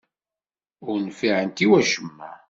Ur nfiɛent i wacemma.